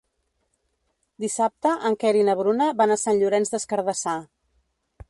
Dissabte en Quer i na Bruna van a Sant Llorenç des Cardassar.